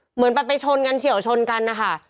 เหมือนแบบไปชนกันเฉียวชนกันนะคะ